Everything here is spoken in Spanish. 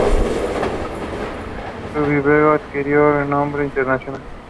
Su vivero adquirió renombre internacional.